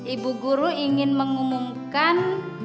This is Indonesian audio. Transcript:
ibu guru ingin mengumumkan